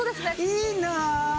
いいなあ。